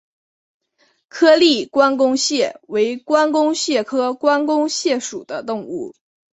颗粒关公蟹为关公蟹科关公蟹属的动物。